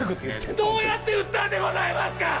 どうやってうったんでございますか。